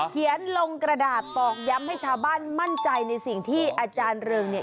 เขียนลงกระดาษตอกย้ำให้ชาวบ้านมั่นใจในสิ่งที่อาจารย์เริงเนี่ย